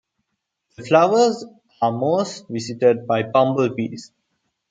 The flowers are mostly visited by bumblebees.